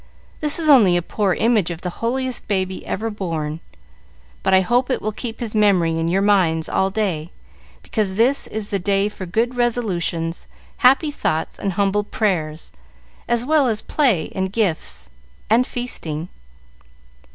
This is only a poor image of the holiest baby ever born, but I hope it will keep his memory in your minds all day, because this is the day for good resolutions, happy thoughts, and humble prayers, as well as play and gifts and feasting."